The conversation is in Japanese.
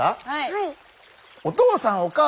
はい。